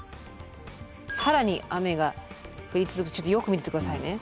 更に雨が降り続くとよく見てて下さいね。